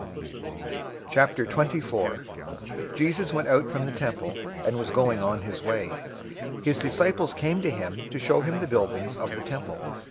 '"{Psalm 118:26} 024:001 Jesus went out from the temple, and was going on his way. His disciples came to him to show him the buildings of the temple.